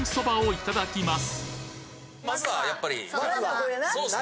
いただきます。